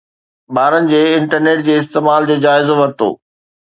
ٻارن جي انٽرنيٽ جي استعمال جو جائزو ورتو